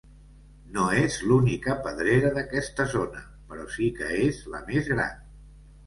No és l'única pedrera d'aquesta zona, però sí que és la més gran.